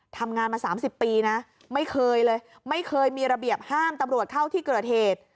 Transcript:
ทำงานมา๓๐ปีนะไม่เคยเลยไม่เคยมีระเบียบห้ามตำรวจเข้าที่เกิดเหตุ